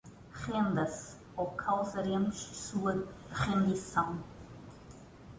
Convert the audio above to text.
Renda-se ou causaremos sua rendição